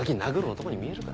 男に見えるか。